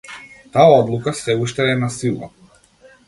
Таа одлука сѐ уште е на сила.